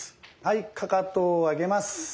かかとを上げます。